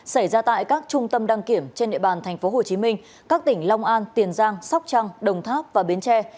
xảy ra tại các trung tâm đăng kiểm trên địa bàn tp hcm các tỉnh long an tiền giang sóc trăng đồng tháp và bến tre